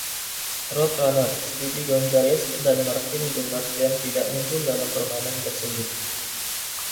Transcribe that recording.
Road Runner, Speedy Gonzales dan Marvin the Martian tidak muncul dalam permainan tersebut.